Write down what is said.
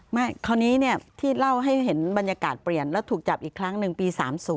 คราวนี้ที่เล่าให้เห็นบรรยากาศเปลี่ยนแล้วถูกจับอีกครั้งหนึ่งปี๓๐